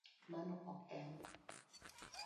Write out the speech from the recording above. Mano ok e